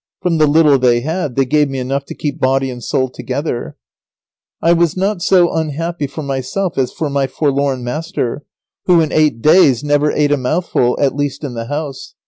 From the little they had, they gave me enough to keep body and soul together. I was not so unhappy for myself as for my forlorn master, who in eight days never ate a mouthful, at least in the house.